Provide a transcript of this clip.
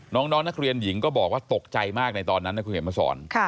น้องนักเรียนหญิงก็บอกว่าตกใจมากในตอนนั้นนะคุณเห็นมาสอน